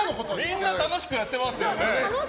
みんな楽しくやってますよね。